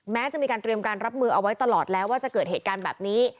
แม้จะมีการเตรียมการรับมือเอาไว้ตลอดแล้วว่าจะเกิดเหตุการณ์แบบนี้